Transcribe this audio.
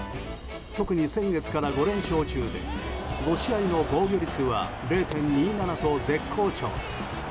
特に先月から５連勝中で５試合の防御率は０．２７と絶好調です。